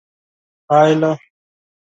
پایله: